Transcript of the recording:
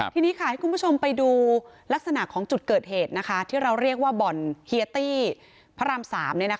ทีนี้ค่ะให้คุณผู้ชมไปดูลักษณะของจุดเกิดเหตุที่เราเรียกว่าบ่อนเฮียตี้พระราม๓